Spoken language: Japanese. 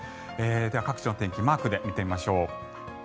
では全国の天気マークで見てみましょう。